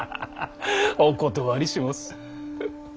お断りしもす。